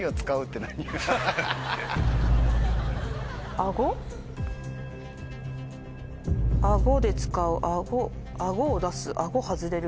「あごで使う」「あごを出す」「あご外れる」。